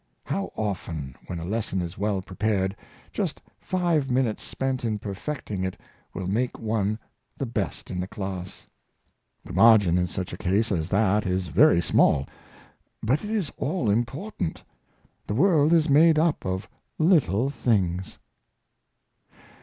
How often, when a lesson is well prepared, just five minutes spent in perfecting it will make one the best in the class. The margin in such a case as that is very small, but it is all important. The world is made up of little things."